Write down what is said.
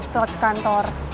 telat ke kantor